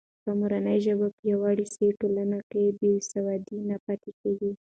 که مورنۍ ژبه پیاوړې سي، ټولنه کې بې سوادي نه پاتې کېږي.